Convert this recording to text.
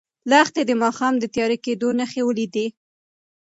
لښتې د ماښام د تیاره کېدو نښې ولیدې.